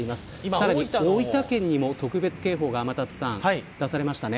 さらに大分県にも特別警報が出されましたね。